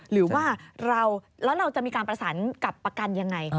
หรือว่าแล้วเราจะมีการประสานกับประกันยังไง